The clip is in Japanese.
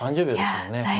３０秒ですからね。